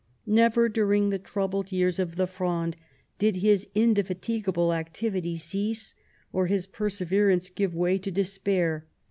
Never during the troubled years of the Fronde did his inde fatigable activity cease or his perseverance give way to despair.